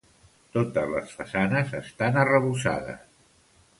Totes les façanes estan arrebossades.